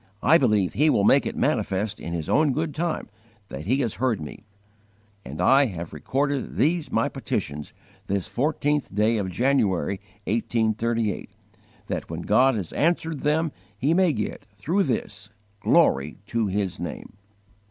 _ I believe He will make it manifest in His own good time that He has heard me; and I have recorded these my petitions this fourteenth day of January, 1838, that when God has answered them He may get, through this, glory to His name."